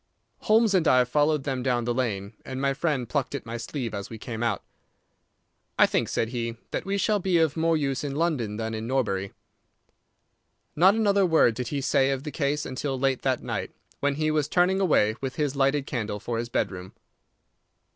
Holmes and I followed them down the lane, and my friend plucked at my sleeve as we came out. "I think," said he, "that we shall be of more use in London than in Norbury." Not another word did he say of the case until late that night, when he was turning away, with his lighted candle, for his bedroom.